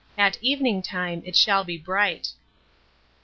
"AT EVENING TIME IT SHALL BE BRIGHT."